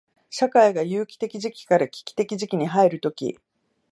社会が有機的時期から危機的時期に入るとき、